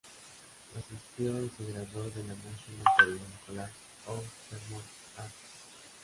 Asistió y se graduó de la National Taiwan College of Performing Arts.